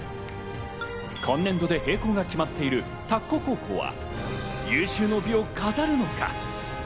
今年度で閉校が決まっている田子高校は有終の美を飾るのか。